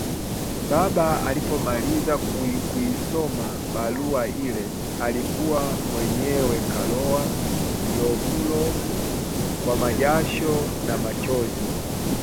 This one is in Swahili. Baba alipomaliza kuisoma barua ile, alikuwa mwenyewe karowa rovurovu kwa majasho na machozi